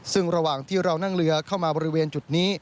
ซึ่งระหว่างที่เรานั่งเรือเข้ามาบริเวณจุดนี้